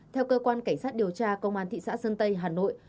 theo cơ quan cảnh sát điều tra công an thị xã sơn tây hà nội